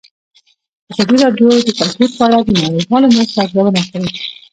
ازادي راډیو د کلتور په اړه د نړیوالو مرستو ارزونه کړې.